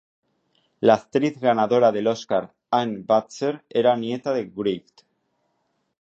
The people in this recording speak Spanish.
La actriz ganadora del Oscar Anne Baxter era nieta de Wright.